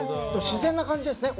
自然な感じですね